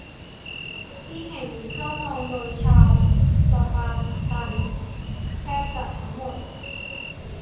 ที่แห่งนี้ครอบครองโดยชาวสปาร์ตันแทบจะทั้งหมด